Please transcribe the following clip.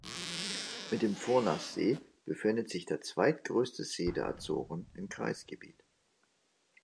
Mit dem Furnas-See befindet sich der zweitgrößte See der Azoren im Kreisgebiet.